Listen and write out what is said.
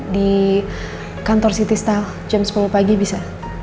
di kantor citystyle jam sepuluh pagi bisa